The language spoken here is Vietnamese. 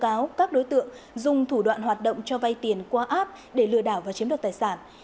nhiều đơn thư tố cáo các đối tượng dùng thủ đoạn hoạt động cho vay tiền qua app để lừa đảo và chiếm được tài sản